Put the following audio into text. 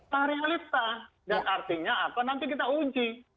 nah realita dan artinya apa nanti kita uji